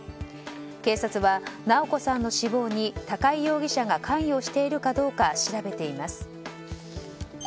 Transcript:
警察は、直子さんの死亡に高井容疑者が関与しているかどうか調べています。